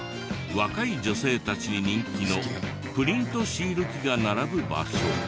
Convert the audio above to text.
若い女性たちに人気のプリントシール機が並ぶ場所。